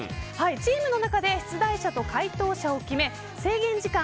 チームの中で出題者と解答者を決め制限時間